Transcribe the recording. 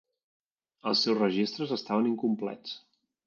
Els seus registres estaven incomplets.